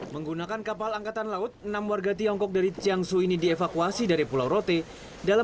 menggunakan kapal angkatan laut enam warga tiongkok dari tiangsu ini dievakuasi dari pulau rote dalam